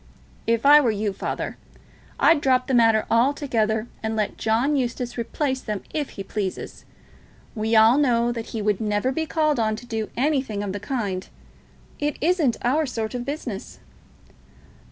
"If I were you, father, I'd drop the matter altogether, and let John Eustace replace them if he pleases. We all know that he would never be called on to do anything of the kind. It isn't our sort of business."